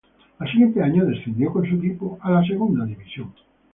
Al siguiente año descendió con su equipo a la segunda división.